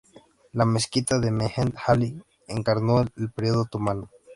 La mezquita de Mehmet Alí encarnó el período otomano.